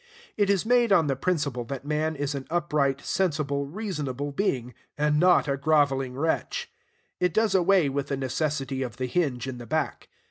It is made on the principle that man is an upright, sensible, reasonable being, and not a groveling wretch. It does away with the necessity of the hinge in the back.